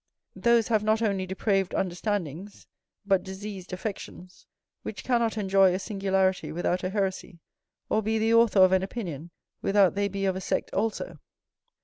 Those have not only depraved understandings, but diseased affections, which cannot enjoy a singularity without a heresy, or be the author of an opinion without they be of a sect also.